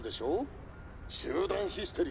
集団ヒステリーですね」。